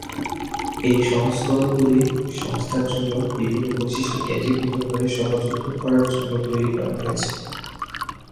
এই সংস্করণগুলি সংস্থার জন্য বিভিন্ন বিশিষ্ট কেন্দ্রীভূত করে সহজতর করার জন্য তৈরি করা হয়েছে।